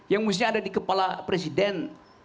yang mestinya ada di kepala presiden